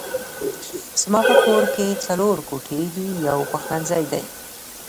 زما په کور کې څلور کوټې دي يو پخلنځی دی